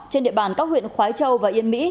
trên địa bàn các huyện khói châu và yên mỹ